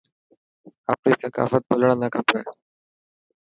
آپري ثقافت ڀلڻ نا کپي.